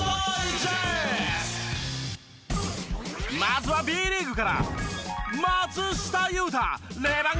まずはＢリーグから。